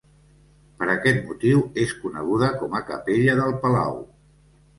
Per aquest motiu és coneguda com a capella del Palau.